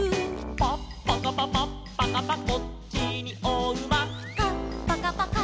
「パッパカパパッパカパこっちにおうま」「カッパカパカッパカパ」